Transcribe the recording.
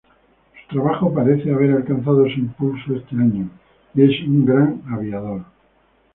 Su trabajo parece haber alcanzado su impulso este año, y es un gran aviador.